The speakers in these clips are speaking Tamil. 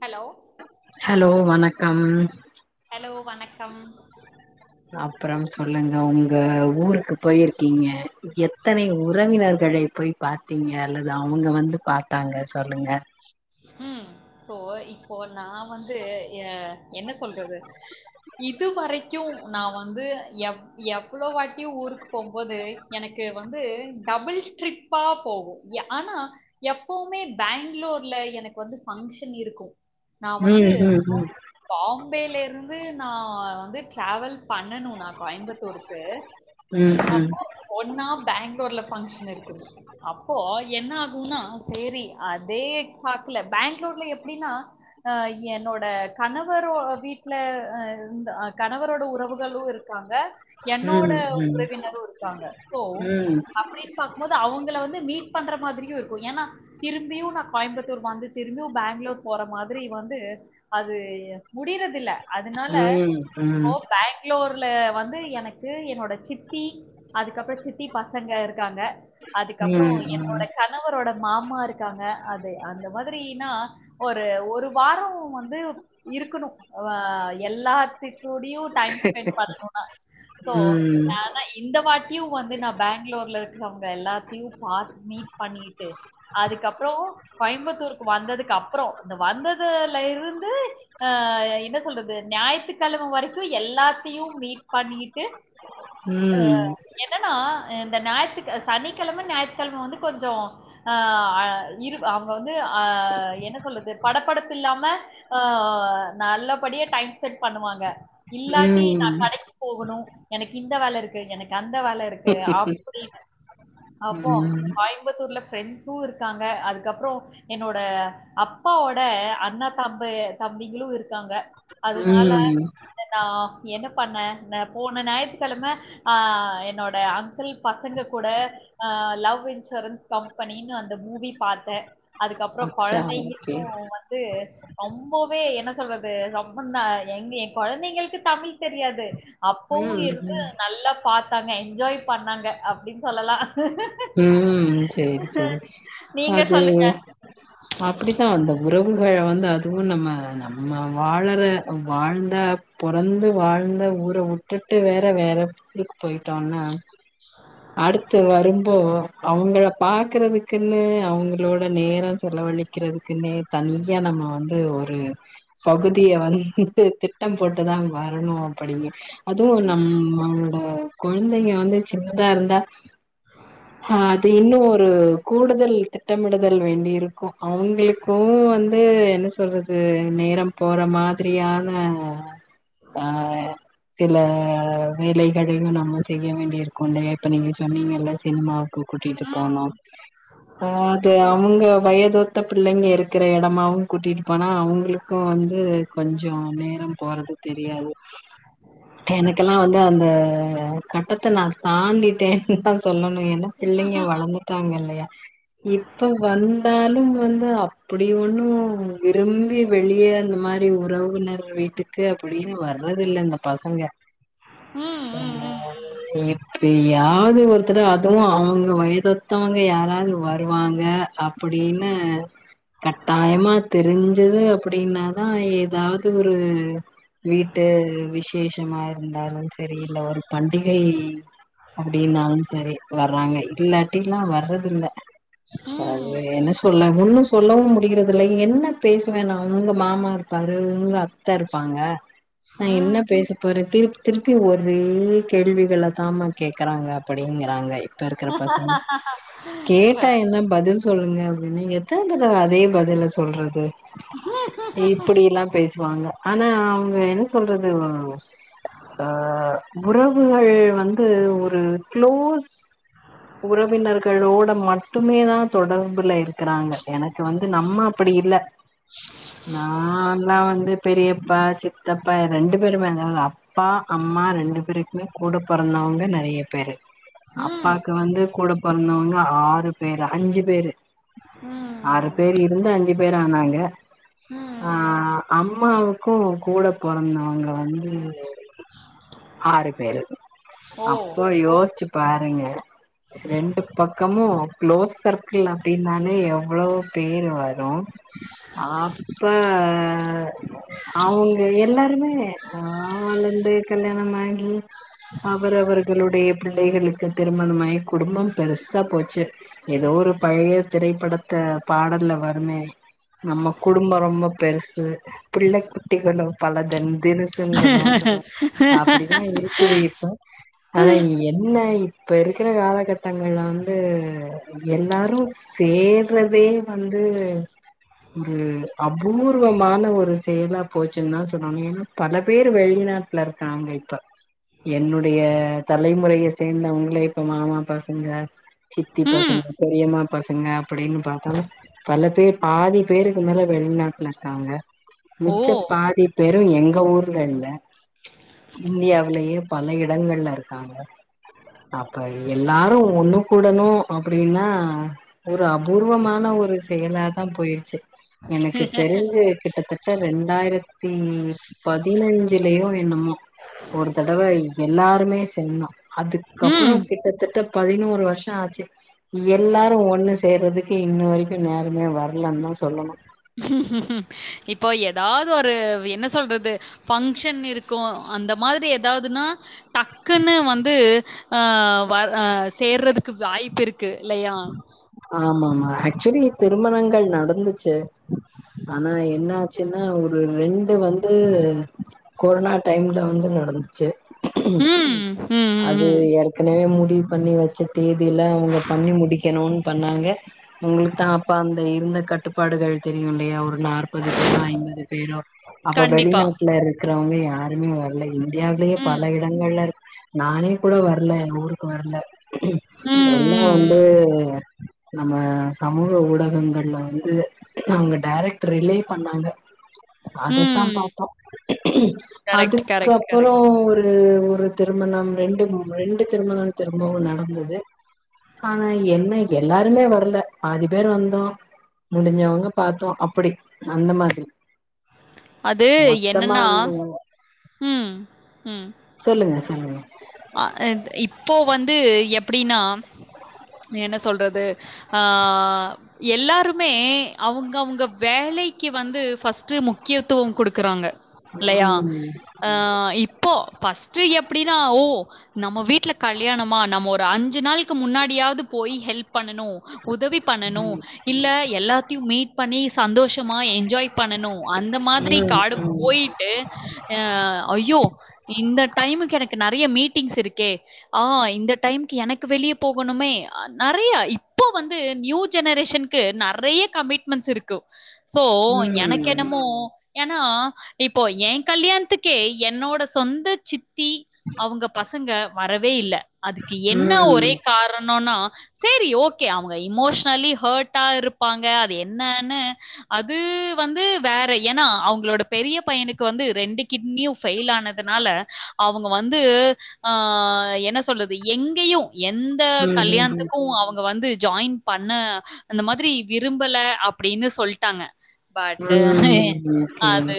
ஹலோ ஹலோ வணக்கம் ஹலோ வணக்கம் அப்பறம் சொல்லுங்க உங்க ஊருக்கு போயிருக்கீங்க எத்தனை உறவினர்களை போய் பாத்தீங்க அல்லது அவங்க வந்து பாத்தாங்க சொல்லுங்க ம் இப்போ இப்போ நான் வந்து என்ன சொல்றது இது வரைக்கும் நான் வந்து எ எவ்ளோ வாட்டியும் ஊருக்கு போ போது எனக்கு வந்து டபுள் டிரிப்பா போகும் ஆனா எப்வுமே பெங்களூர்ல எனக்கு வந்து பங்க்ஷன் இருக்கும் நான் வந்து ம் ம் பாம்பேல இருந்து நான் வந்து டிராவல் பண்ணணுன கோயம்புத்தூருக்கு ம் ம் ஒன்னா பெங்களூர்ல ஃபங்க்ஷன் இருக்குணு அப்போ என்ன ஆகும்னா செரி அதே பாக்குல பேங்ளூர்ல எப்டின்னா அ என்னோட கணவர் ஒ வீட்ல இருந்த கணவரோட உறவுகளும் இருக் காங்க என்னோட ம் ம் உறவினரும் இருக்காங்க சோ ம் ம் அப்டின் பாக்கும்போது அவங்கள வந்து மீட் பண்ற மாதிரியு இருக்கும் ஏன்னா திரும்பியு நா கோயம்புத்தூர் வந்து திரும்பியு பேங்ளூர் போற மாறி வந்து அது முடியறது இல்ல அதுனால ம் ம் இப்போ பேங்ளூர்ல வந்து எனக்கு என்னோட சித்தி அதுக்கப்றோ சித்தி பசங்க இருக்காங்க ம் ம் ம் ம் அதுக்கப்றோ என்னோட கணவரோட மாமா இருக்காங்க அது அந்த மாதிரின்னா ஒரு ஒரு வாரோ வந்து இருக்கணு அ எல்லாத் துடயு டைம் ஸ்பெண்ட் பண்ணனுன்னா சோ [unintelligible] நா இந்த வாட்டியு வந்து நா பேங்ளூர்ல இருக்கறவங்க எல்லாத்தையு பா மீட் பண்ணிட்டு அதுக்கப்றோ கோயம்புத்தூருக்கு வந்ததுக்கு அப்றோ இந்த வந்ததுல இருந்து அ என்ன சொல்றது ஞாயித்துக்கெழமை வரிக் கு எல்லாத்தையு மீட் பண்ணிட்டு அ என்னன்னா இந்த ஞாயித்துக் சனிக்கெழம ஞாயித்துக்கெழம வந்து கொஞ்சோ ஆ இருவ் அவங்க வந்து அ என்ன சொல்லுது படப்படப்பு இல்லாம ஆ நல்லபடியா டைம் ஸ்பெண்ட் பண்ணுவாங்க இல்லாட்டி நா ம் கடைக்கு போகணு எனக்கு இந்த வேல இரு க்கு எனக்கு அந்த வேலை இருக்கு ம் அப்டின்னு அப்போ ம் கோயம்புத்தூர்ல ஃப்ரெண்ட்ஸ்சு இருக்காங் க அதுக்கப்றோ என்னோட அப்பாவோட அண்ணா தம்பே தம்பிகளும் இருக் காங்க அதுனால ம் ஏன்னா என்ன பண்ண நா போன ஞாயித்துக்கெழம ஆ என்னோட அங்குள் பசங்க கூட அ லவ் இன்சூரன்ஸ் கம்பெனின்னு அந்த மூவி பாத்த அதுக்கப்றோ அச்சா ஓகே குழந்தையின்னும் வந்து ரொம்பவே என்ன சொல்றது ரொம்ப நா எங்க ஏ கொழந்தைங்களுக்கு தமிழ் தெரியாது அப்பவு ம் இருந்து ம் நல்லா பாத்தாங்க என்ஜாய் பண்ணாங்க அப்டின்னு சொல்லலா உம் சேரி சேரி நீங்க அது சொல்லுங்க. அப்டித்தா அந்த உறவுகள வந்து அதுவு நம்ம நம்ம வாழற வாழ்ந்த பொறந்து வாழ்ந்த ஊர வுட்டுட்டு வேற வேற ஊருக்கு போயிட்டோன்னா அடுத்து வரும் ப்போ அவுங்கள பாக்குறதுக்குன்னு அவுங்களோட நேரோ செலவழிக்கிறதுக்குன்னே தனியா நம்ம வந்து ஒரு பகுதிய வந்து திட்டு திட்டம் போட்டுதா வரணு அப்படிங்க அதுவு நம்மளோட கொழந்தைங்க வந்து சின்னதா இருந்தா ஆ அது இன்னும் ஒரு கூடுதல் திட்டமிடுதல் வேண்டி இருக்கும் அவுங்ளுக் கு வந்து என்ன சொல்றது நேரோ போற மாதிரியான நா வேற சில வேலைகளையு நம்ம செய்ய வேண்டிய இருக்கு இல்லயா இப்ப நீங்க சொன்னீங்கல்ல சினிமாவுக்கு கூட்டிட்டு போனோ ம். அது அவுங்க வயதோத்த பிள்ளைங்க இருக்கிற இடமாவு கூட்டிட்டு போனா அவுங்களுக்கும் வந்து கொஞ்சோ நேரம் போறது தெரியாது எனக்கெல்லா வந்து அந்த கட்டத்த நா தாண்டிட்டே ஃபர்ஸ்ட் சொல்லணு ஏன்னா பிள்ளைங்க வளந்துட்டாங்க இல்லயா இப்ப வந்தாலு வந்து அப்டி ஒன்னு விரும்பி வெளியே அந்த மாரி உறவுனர் வீட்டுக்கு அப்டின்னு வர்றதில்ல இந்த பசங்க ம், ம், ம், எப்பயாது ஒரு த்தரு அதுவு அவுங்க வயதொத்தவங்க யாராவது வருவாங்க அப்டின்னு கட்டாயமா தெரிஞ்சது அப்டின்னாதா எதாது ஒரு வீட்டு விசேஷமா இருந்தாலும் செரி இல்ல ஒரு பண்டிகை அப்டின்னாலு செரி வர்றாங்க இல்லாட்டில்லா வர்றது இல்ல அது ம். என்ன சொல்ல ஒன்னும் சொல்லவு முடியறதில்ல என்ன பேசுவ நா உங்க மாமா இருப்பாரு உங்க அத்த இருப்பாங்க நா என்ன ம். பேச போறே திருப்பி திருப்பி ஒரே கேள்விகள தாம்மா கேக்குறாங்க அப்டிங்கறாங்க இப்ப இருக்கிற பசங்க ம். கேட்டா என்ன பதில் சொல்லுங்க அப்டின்னு எத்தன தடவ அதே பதில சொல்றது இப்டில்லா பேசு வாங்க ஆனா அவுங்க என்ன சொல்றது ஆ உறவுகள் வந்து ஒரு க்ளோஸ் உறவினர்களோட மட்டுமே தா தொடர்புல இருக்கிறாங்க எனக்கு வந்து நம்ம அப்டி இல்ல நா எல்லா வந்து பெரியப்பா சித்தப்பா ரெண்டு பேருமே அங்கதா அப்பா அம்மா ரெண்டு பேருக்குமே கூட பொறந்தவங்க நெறைய பேரு ம். அப்பாக்கு வந்து கூட பொறந்தவங்க ஆறு பேரு அஞ்சு பேரு ஆறு ம். பேரு இருந்து அஞ்சு பேரு ஆனாங்க ஆ ம். அம்மாவுக்கு கூட பொறந்தவங்க வந்து ஆறு பேரு ஓ! அப்போ ஓ! யோஸ்ச்சி பாருங்க ரெண்டு பக்கமும் க்ளோஸ் சர்க்கிள் அப்படின்னாலே எவ்வளோ பேரு வரும் அப்ப அவங்க எல்லாருமே ஆ வளர்ந்து கல்யாணம் ஆகி அவர் அவர்களுடைய பிள்ளைகளுக்கு திருமணமாய் குடும்பம் பெரு சாப்போச்சு எதோ ஒரு பழைய திரைப்படத்த பாடல்ல வருமே நம்ம குடும்பொ ரொம்ப பெருசு புள்ளக் குட்டிகளோ பலதின் தினுசுன் சொல்வாங்க அப்புடிதா இருக்குது இப்ப ஆனா என்ன இப்ப இருக்கிற காலகட்டங்கள்ல வந்து எல்லாரும் சேர்றதே வந்து ஒரு அபூர்வமான ஒரு செயலா போச்சுன்னு தான் சொல்வாங்க ஏன்னா பல பேர் வெளிநாட்ல இருக்காங்க இப்ப என்னுடைய தலைமுறையை சேர்ந்தவங்களே இப்ப மாமாப்பசங்க சித்தி ம். பசங்க பெரியம்மா பசங்க அப்படின்னு பாத்தோனா பல பேர் பாதி பேருக்கு மேல வெளிநாட்ல இருக்காங்க ஓ! மிச்ச பாதி பேரும் எங்க ஊர்ல இல்ல இந்தியாவிலேயே பல எடங்கள்ல இருக்காங்க அப்ப எல்லாரும் ஒன்னு கூடணும் அப்படின்னா ஒரு அபூர்வமான ஒரு செயலாதான் போயிருச்சு எனக்கு தெரிஞ்சு கிட்டத்தட்ட ரெண்டாயிரத்தி பதினைஞ்சலயோ என்னமோ ஒரு தடவ எல்லாருமே செய்நோ அதுக்கப்புற ம். கிட்டத்தட்ட பதினோரு வர்ஷோ ஆச்சு எல்லாரும் ஒன்னு சேர்றதுக்கு இன்ன வரைக்கும் நேரமே வர்லன்னு தா சொல்லனு இப்போ எதாவது ஒரு என்ன சொல்றது பங்க்ஷன் இருக்கு அந்த மாதிரி எதாதுனா டக்குன்னு வந்து ஆ வா சேர்றதுக்கு வாய்ப்பு இருக்கு இல்லையா ஆமா ஆமா ஆக்சுவலி திருமணங்கள் நடந்துச்சு ஆனா என்ன ஆச்சுனா ஒரு ரெண்டு வந்து கொரனா டைம்ல வந்து நடந்துச்சு ம். ம். ம், ம், அது ம். ஏற்கனவே முடிவு பண்ணி வச்சு தேதியில அவுங்க பண்ணி முடி ம் பண்ணாங்க உங்களுக்கு தா அப்ப அந்த இருந்த கட்டுப்பாடுகள் தெரியு இல்லையா ஒரு நா முப்பது பேரோ ஐம்பது பேரோ அப்ப கண்டிப்பா. வெளிநாட்டுல இருக்கிறவங்க யாருமே வரலை இந்தியாவிலயே ம். பல இடங்கள்ல இருக் நானே கூட வரல எங்க ஊருக்கு வரல ம், எல்லா வந்து ம், த நம்ம சமூக ஊடகங்கள்ல வந்து அவுங்க டேரக்ட் ரிலே பண்ணாங்க ம். அதத்தா ம். பார்த்தோ கரெக்ட், கரெக்ட், அதுக்குப்புறோ கரெக்ட். ஒரு து ஒரு திருமணம் ரெண்டு மூணு ரெண்டு திருமணம் திரும்பவு நடந்தது ஆனா என்ன எல்லாருமே வரல பாதி பேரு வந்தோ முடிஞ்சவங்க பார்த்தோ அப்டி அந்த மாதிரி அது மொத்தமா என்னன்னா வந்து ம் ம் சொல்லுங்க சொல்லுங்க ஆ இப்போ வந்து எப்டினா என்ன சொல்றது ஆ எல்லாருமே அவுங்க அவுங்க வேலைக்கு வந்து ஃபர்ஸ்ட்டு முக்கியத்துவம் குடுக்குறாங்க இல்லையா ம் ஆ இப்போ ஃபர்ஸ்ட்டு எப்டினா ஓ நம்ம வீட்டுல கல்யாணமா நம்ம ஒரு அஞ்சு நாளுக்கு முன்னாடியாது போய் ஹெல்ப் பண்ணணு உதவி பண்ணணு ம் இல்ல எல்லாத்தையு மீட் பண்ணி சந்தோஷமா என்ஜாய் பண்ணணு அந்த மாதிரி ம் காடு ம் போய் ட்டு ஐயோ இந்த டைமுக்கு எனக்கு நறையா மீட்டிங்ஸ் இருக்கே ஆ இந்த டைம்கு எனக்கு வெளிய போகணுமே ஆ நறையா இப்போ வந்து நியூ ஜெனரேஷன் க்கு நறையா கமிட்மெண்ட்ஸ் இருக்கு சோ ம் எனக்கென்னமோ ஏனா இப்போ என் கல்யாணத்துக்கே என்னோட சொந்த சித்தி அவுங்க பசங்க வரவே இல்ல அதுக்கு என்ன ஒரே காரணொனா சரி ஓகே அவுங்க இமோஷனலி ஹேர்ட்டா இருப்பாங்க அது என்னனு அது வந்து வேற ஏனா அவுங்களோட பெரிய பையனுக்கு வந்து ரெண்டு கிட்னியு ஃபெயில் ஆனதுனால அவுங்க வந்து ஆ என்ன சொல்றது எங்கயு எந்த ம் கல்யாணத்துக்கு அவுங்க வந்து ஜாய்ன் பண்ண அந்த மாதிரி விரும்பல அப்டினு சொல்ட்டாங்க ம் பட்டு ம் ம் ஓகே அது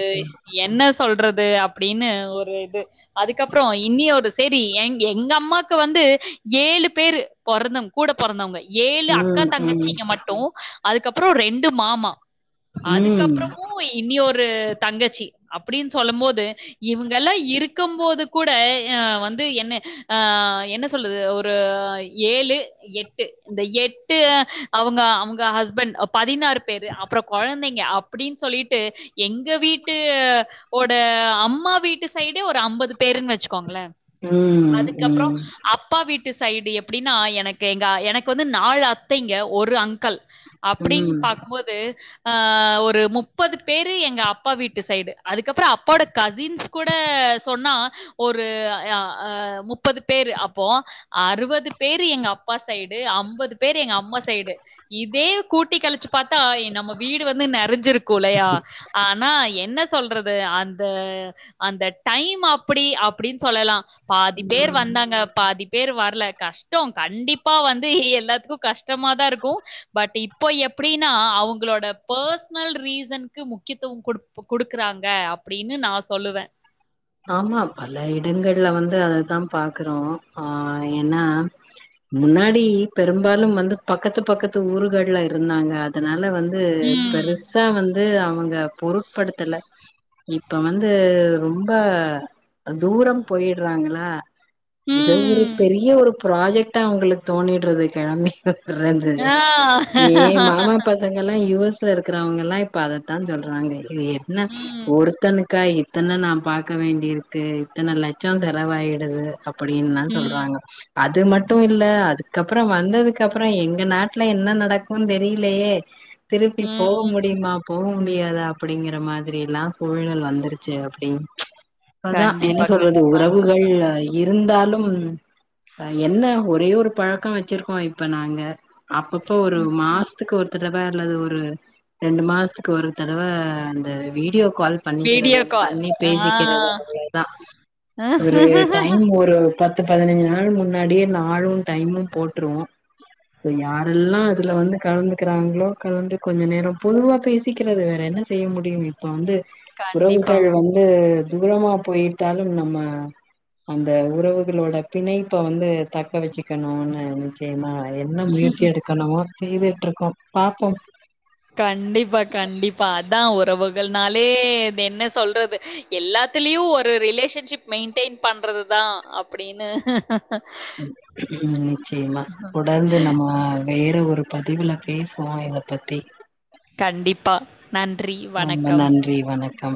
என்ன சொல்றது அப்டினு ஒரு இது அதுக்கப்றோ இனி ஒரு சேரி எங் எங்க அம்மாக்கு வந்து ஏழு பேரு பொறந்தவுங் கூட பொறந்தவுங்க ஏழு அக்கா ம் ம் ம் தங்கச்சிங்க மட்டு அதுக்கப்றோ ரெண்டு மாமா அதுக்கப்றமு இனி ஒரு தங்கச்சி அப்டின் சொல்லும் போது இவுங்க எல்லா இருக்கும்போது கூட ஆ வந்து என்ன ஆ என்ன சொல்லுது ஒரு ஏழு எட்டு இந்த எட்டு அவுங்க அவுங்க ஹஸ்பண்ட் பதினாறு பேரு அப்றோ கொழந்தைங்க அப்டின்னு சொல்லிட்டு எங்க வீட்டு ஓட அம்மா வீட்டு சைடே ஒரு அம்பது பேருன்னு வச்சுக்கோங்களே ம் அதுக்கப்றோ ம் அப்பா வீட்டு சைடு எப்டின்னா எனக்கு எங்க எனக்கு வந்து நாலு அத்தைங்க ஒரு அங்கல் ம் அப்டின் ம் பாக்கும்போது அ ஒரு முப்பது பேரு எங்க அப்பா வீட்டு சைடு அதுக்கப்ற அப்போட கசின்ஸ் கூட சொன்னா ஒரு அ அ முப்பது பேரு அப்போ அறுபது பேரு எங்க அப்பா சைடு அம்பது பேரு எங்க அம்மா சைடு இதே கூட்டி கழிச்சு பாத்தா நம்ம வீடு வந்து நெறைஞ்சிருக்கு லையா ஆ ஆனா என்ன சொல்றது அந்த அந்த டைம் அப்டி அப்டின் சொல்லலா பாதி பேர் வந்தாங்க பாதி பேர் வர்ல கஷ்டோ கண்டிப்பா வந்து எல்லாத்துக்கு கஷ் டமாதா இருக்கு பட் இப் போ எப்டினா அவங்களோட பர்சனல் ரீசனுகக்கு முக்கியத்துவ கொடு கொடுக்குறாங்க அப்டினு நா சொல்லுவே ஆமா பல இடங்கள்ல வந்து அததா பாக்றோ ஆ என்னா முன்னாடி பெரும்பாலும் வந்து பக்கத்து பக்கத்து ஊர்கள்ல இருந்தாங்க அ தனால வந்து ம். பெருச் சா வந்து அவங்க பொருட்படுத்தல இப்ப வந்து ரொம் ப தூரம் போய்ட்றாங்களா இது ஒரு ம். பெரிய ஒரு ப்ராஜெக்டா அவங்களுக்கு தோணிட்றது கிழம்பி ஆ. [unintelligible] பசங்க எல்லா யூ எஷ் ல இருக்கிறவங்கல்லா இப்ப அதத்தா சொல்றாங்க இது என்ன ம். ஒருத்தனுக் க்கா இத்தன நா பாக்க வேண்டியிருக்கு இத்தன லட்ச செலவாயிடுது அப்டின் தா ம். சொல்றாங்க அது மட்டு இல்ல அதுக்கப்ற வந்ததுக்கு அப்ற எங்க நாட்ல என்ன நடக்குன் தெரியலையே திருப்பி ம். போக முடியுமா போக முடியாதா அப்டிங்கற மாதிரி எல்லா சூழ்நல் வந்துருச்சு அப்டி அப்பதா என்ன கண்டிப்பா, சொல்றது கண்டிப்பா. உறவுகள் இருந்தாலும் என்ன ஒரே ஒரு பழக்க வச்சிருக்கோ இப்ப நாங்க அப்பப்ப ஒரு மாசத்துக்கு ஒரு தடவை அல்லது ஒரு ரெண்டு மாசத்துக்கு ஒரு தடவை அந்த வீடியோ கால் வீடியோ பண்ணிக்கிறது கால். பண்ணி ஆ. பேசிக்கிறது அவ்ளோ தான் ஒரு டைம் ஒரு பத்து பதினஞ்சு நாள் முன்னாடியே நாளும் டைமும் போட்ருவோம் சோ யாரெல்லாம் அதுல வந்து கலந்துக்கிறாங்களோ கலந்து கொஞ்ச நேரம் பொதுவா பேசிக்கிறது வேற என்ன செய்ய முடியும் இப்ப வந்து கண்டிப்பா. உறவுகள் வந்து தூரமா போயிட்டாலும் நம்ம அந்த உறவுகளோட பிணைப்ப வந்து தக்க வச்சுக்கணும்னு நச்ச என்னா என்ன முயற்சி எடுக்கணமோ செய்துட்டு இருக்கோம் பாப்போம் கண்டிப்பா கண்டிப்பா அதான் உறவுகள்னாலே என்ன சொல்றது எல்லாத்துலயும் ஒரு ரிலேஷன்ஷிப் மெயின்டெயின் பண்றது தான் அப்டினு உம் நிச்சயமா தொடர்ந்து நம்ம வேறு ஒரு பதிவுல பேசுவோம் இத பத்தி கண்டிப்பா நன்றி‌ ரொம்ப வணக்கம் நன்றி வணக்கம்